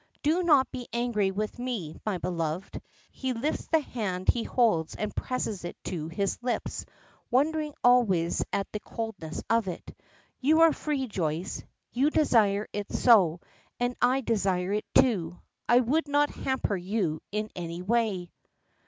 Do not be angry with me, my beloved." He lifts the hand he holds and presses it to his lips, wondering always at the coldness of it. "You are free, Joyce; you desire it so, and I desire it, too. I would not hamper you in any way."